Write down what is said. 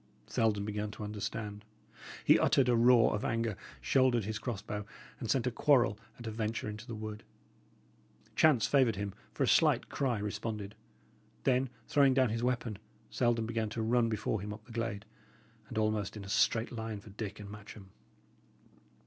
Selden began to understand; he uttered a roar of anger, shouldered his cross bow, and sent a quarrel at a venture into the wood. Chance favoured him, for a slight cry responded. Then, throwing down his weapon, Selden began to run before him up the glade, and almost in a straight line for Dick and Matcham.